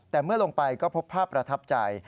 แต่เมื่อลงไปก็พบภาพประทับใจ